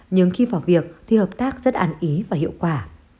nhưng khi vào việc thì hợp tác rất ăn ý và hiệu quả